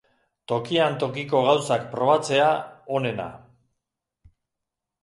Tokian tokiko gauzak probatzea onena.